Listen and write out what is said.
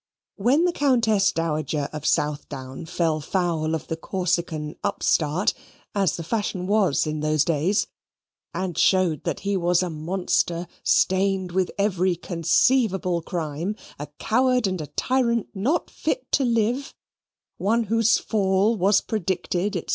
When the Countess Dowager of Southdown fell foul of the Corsican upstart, as the fashion was in those days, and showed that he was a monster stained with every conceivable crime, a coward and a tyrant not fit to live, one whose fall was predicted, &c.